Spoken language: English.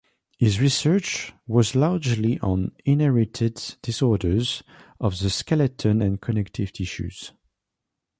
His research was largely on inherited disorders of the skeleton and connective tissues.